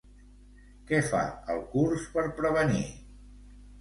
Què fa el curs per prevenir?